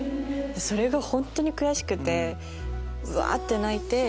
それが本当に悔しくてうわって泣いて。